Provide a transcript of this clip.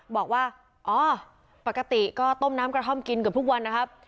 บอกว่าอ๋อปกติก็ต้มน้ำกระท่อมกินเกือบทุกวันนะครับ